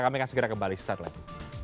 kami akan segera kembali sesaat lagi